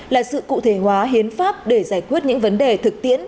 là sự cụ thể hóa hiến pháp để giải quyết những vấn đề thực tiễn